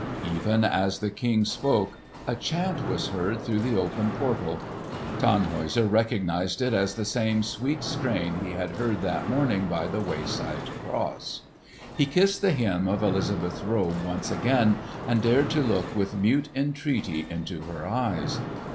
Even as the King spoke, a chant was heard through the open portal. Tannhäuser recognised it as the same sweet strain he had heard that morning by the wayside cross. He kissed the hem of Elizabeth's robe once again and dared to look with mute entreaty into her eyes.